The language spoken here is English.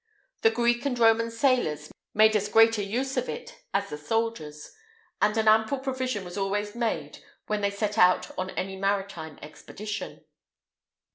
The Greek and Roman sailors made as great a use of it as the soldiers,[IX 186] and an ample provision was always made when they set out on any maritime expedition.